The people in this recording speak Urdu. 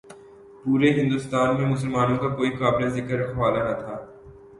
پورے ہندوستان میں مسلمانوں کا کوئی قابل ذکر رکھوالا نہ تھا۔